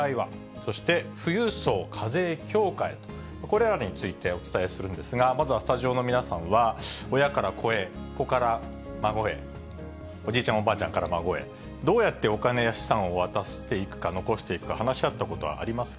そして富裕層課税強化へ、これらについてお伝えするんですが、まずはスタジオの皆さんは、親から子へ、子から孫へ、おじいちゃんおばあちゃんから孫へ、どうやってお金や資産を渡していくか、残していくか、話し合ったことありますか。